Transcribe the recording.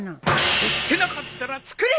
売ってなかったら作ればいい！